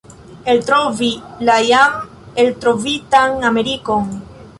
eltrovi la jam eltrovitan Amerikon!